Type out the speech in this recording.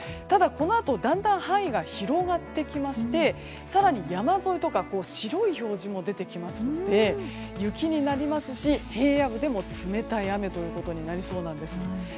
ただこのあとだんだん範囲が広がって更に山沿いとか白い表示も出てきますので雪になりますし、平野部でも冷たい雨となりそうなんです。